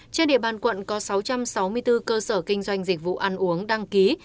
trên địa bàn quận có sáu trăm sáu mươi bốn cơ sở kinh doanh dịch vụ ăn uống đăng ký